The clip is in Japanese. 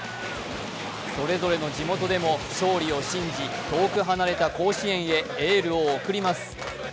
それぞれの地元でも勝利を信じ、遠く離れた甲子園へエールを送ります。